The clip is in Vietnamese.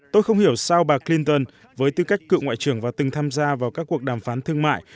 tôi không hiểu sao bà clinton với tư cách cựu ngoại trưởng và từng tham gia vào các cuộc đàm phán thương mại